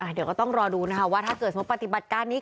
เดี๋ยวก็ต้องรอดูนะคะว่าถ้าเกิดสมมุติปฏิบัติการนี้